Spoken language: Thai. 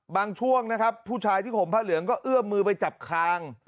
ช่วงนะครับผู้ชายที่ห่มผ้าเหลืองก็เอื้อมมือไปจับคาง